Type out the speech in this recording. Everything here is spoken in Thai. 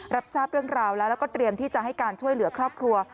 รับทราบเรื่องราวแล้วแล้วก็เตรียมที่จะให้การช่วยเหลือครอบครัว